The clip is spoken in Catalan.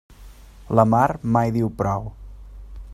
La mar mai diu prou.